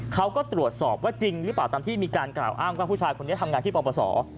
เขาก็ตรวจสอบว่าจริงหรือเปล่าตามที่มีการกล่าวอ้างว่าผู้ชายคนนี้ทำงานที่ปปศ